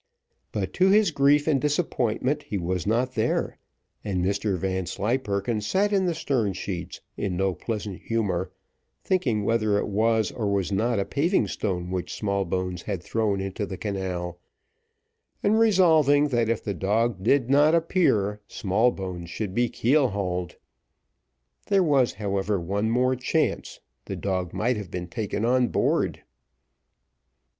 But to his grief and disappointment he was not there, and Mr Vanslyperken sat in the stern sheets, in no pleasant humour, thinking whether it was or was not a paving stone which Smallbones had thrown into the canal, and resolving that if the dog did not appear, Smallbones should be keel hauled. There was, however, one more chance, the dog might have been taken on board.